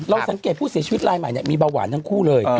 สังเกตผู้เสียชีวิตลายใหม่มีเบาหวานทั้งคู่เลย